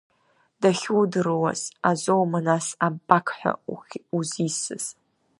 Дахьудыруаз азоума нас абақҳәа узисыз?